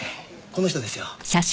この人ですよ。